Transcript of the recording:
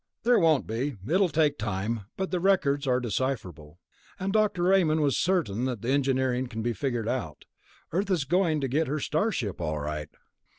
"There won't be. It'll take time, but the records are decipherable. And Dr. Raymond was certain that the engineering can be figured out. Earth is going to get her star ship, all right."